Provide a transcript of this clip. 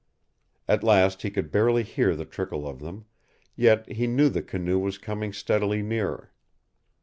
At last he could barely hear the trickle of them, yet he knew the canoe was coming steadily nearer.